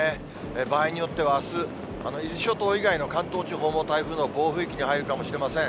場合によってはあす、伊豆諸島以外の関東地方も台風の暴風域に入るかもしれません。